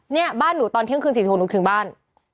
เนี่ยบ้านหนูตอนเที่ยงคืน๔๖หนูถึงบ้าน